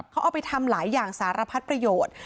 เขาเอาไปทำหลายอย่างสารพัดประโยชน์